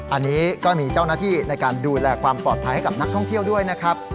อันนี้ก็มีเจ้าหน้าที่ในการดูแลความปลอดภัยให้กับนักท่องเที่ยวด้วยนะครับ